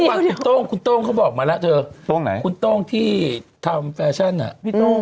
เออเดี๋ยวก็คุณโต้งเค้าบอกมาแล้วเถอะคุณโต้งที่ทำแฟชั่นพี่โต้ง